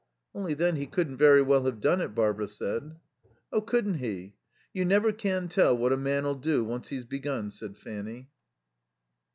"Only then he couldn't very well have done it," Barbara said. "Oh, couldn't he! You never can tell what a man'll do, once he's begun," said Fanny.